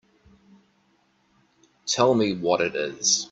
Tell me what it is.